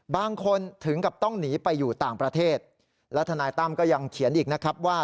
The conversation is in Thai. บางคนถึงกับต้องหนีไปอยู่ต่างประเทศและทนายตั้มก็ยังเขียนอีกนะครับว่า